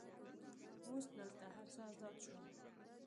اوس دلته هر څه آزاد شول.